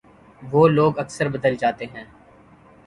وہ لوگ اکثر بدل جاتے ہیں